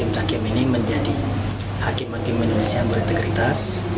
mendidik cakim cakim ini menjadi hakim hakim indonesia yang berintegritas